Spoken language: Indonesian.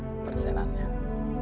saya pikir daripada dengan yang sekarang